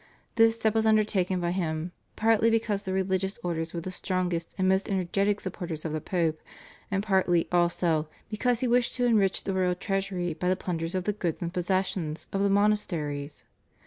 This step was undertaken by him, partly because the religious orders were the strongest and most energetic supporters of the Pope, and partly, also, because he wished to enrich the royal treasury by the plunder of the goods and possessions of the monasteries.